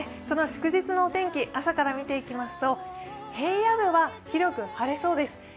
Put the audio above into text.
その祝日のお天気、朝から見ていきますと平野部は広く晴れそうです。